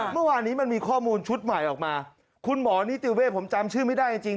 เมื่อวานนี้มันมีข้อมูลชุดใหม่ออกมาคุณหมอนิติเวศผมจำชื่อไม่ได้จริง